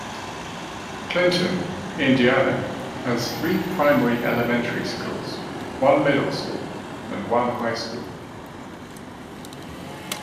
Clinton, Indiana has three primary elementary schools, one middle school and one high school.